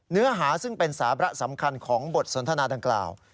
เนื้อหาซึ่งเป็นสาระสำคัญของบทสนทนาดังกล่าว